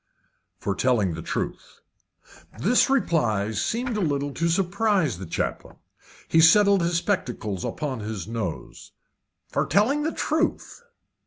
"For telling the truth." This reply seemed a little to surprise the chaplain. He settled his spectacles upon his nose. "For telling the truth!"